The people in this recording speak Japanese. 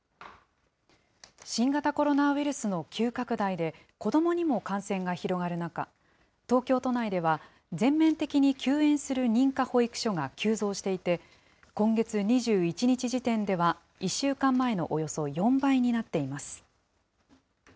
新型コロナウイルスの急拡大で、子どもにも感染が広がる中、東京都内では、全面的に休園する認可保育所が急増していて、今月２１日時点では、１週間前のおよそ４倍になっています。